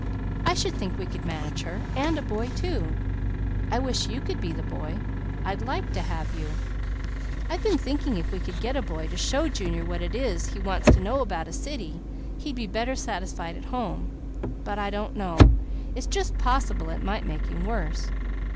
I should think we could manage her, and a boy too. I wish you could be the boy. I'd like to have you. I've been thinking if we could get a boy to show Junior what it is he wants to know about a city, he'd be better satisfied at home, but I don't know. It's just possible it might make him worse.